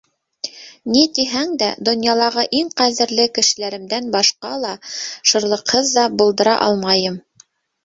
Ни тиһәң дә, донъялағы иң ҡәҙерле кешеләремдән башҡа ла, шырлыҡһыҙ ҙа булдыра алмайым.